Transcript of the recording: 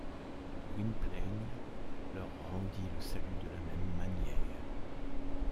Gwynplaine leur rendit le salut de la même manière.